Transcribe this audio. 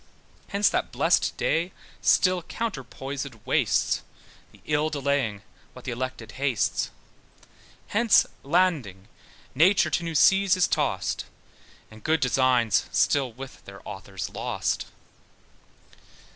Hence that blest day still counterposèd wastes, The ill delaying what the elected hastes; Hence landing nature to new seas is tossed, And good designs still with their authors lost.